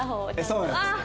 そうなんですよ。